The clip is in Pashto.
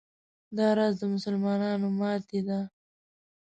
دا راز د مسلمانانو ماتې ده.